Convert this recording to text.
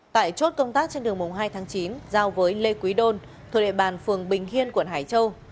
tại chốt công tác trên đường mùng hai tháng chín giao với lê quý đôn thuộc địa bàn phường bình hiên quận hải châu